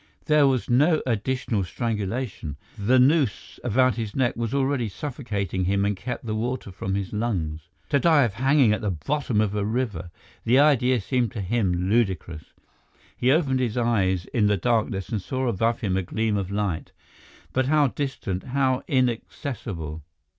There was no additional strangulation; the noose about his neck was already suffocating him and kept the water from his lungs. To die of hanging at the bottom of a river!—the idea seemed to him ludicrous. He opened his eyes in the darkness and saw above him a gleam of light, but how distant, how inaccessible!